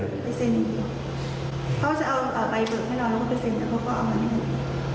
เขาจะเอาไปเบิร์กให้นอนแล้วก็ไปเซ็นแต่เขาก็เอาเงิน